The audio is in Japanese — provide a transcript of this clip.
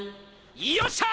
よっしゃあ！